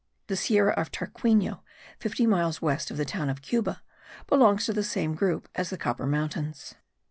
The Sierra of Tarquino, fifty miles west of the town of Cuba, belongs to the same group as the Copper Mountains.